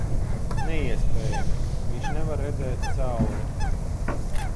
Neiespējami. Viņš nevar redzēt cauri...